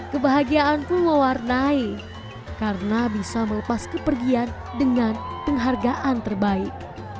kebahagiaanku mewarnai karena bisa melepas kepergian dengan penghargaan terbaik